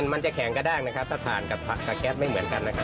มันจะแข็งก็ได้แต่ถ่านกับพระแก๊สไม่เหมือนกัน